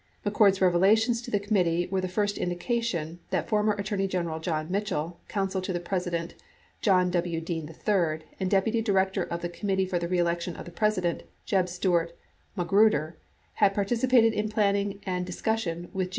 McCord's revelations to the committee were the first indica tion that former Attorney General John Mitchell, Counsel to the President John W. Dean III, and deputy director of the Committee for the Re Election of the President 6 Jeb Stuart Magruder had par ticipated in planning and discussion with G.